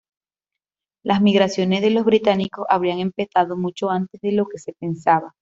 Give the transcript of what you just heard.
Las migraciones de los britanos habrían empezado muchos antes de lo que se pensaba.